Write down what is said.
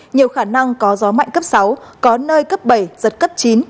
nhiều khả năng có gió mạnh cấp sáu có nơi cấp bảy giật cấp chín